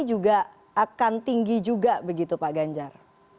juga akan tinggi juga begitu pak ganjar